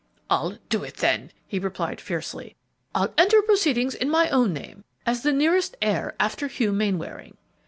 "I'll do it, too," he replied, fiercely; "I'll enter proceedings in my own name, as the nearest heir after Hugh Mainwaring."